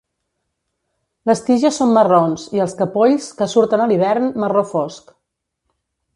Les tiges són marrons i els capolls, que surten a l'hivern, marró fosc.